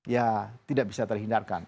ya tidak bisa terhindarkan